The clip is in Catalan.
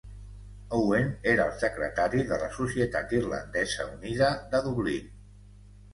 Owen era el secretari de la Societat Irlandesa Unida de Dublín.